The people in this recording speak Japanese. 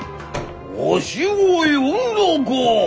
「わしを呼んだか？」。